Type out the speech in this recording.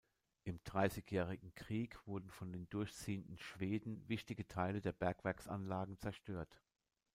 Im Dreißigjährigen Krieg wurden von den durchziehenden Schweden wichtige Teile der Bergwerksanlagen zerstört.